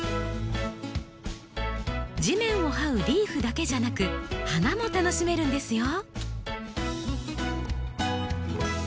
地面をはうリーフだけじゃなく花も楽しめるんですよ。